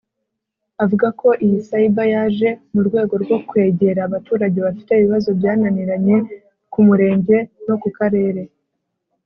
Avuga ko iyi ‘Cyber’ yaje mu rwego rwo kwegera abaturage bafite ibibazo byananiranye ku murenge no ku karere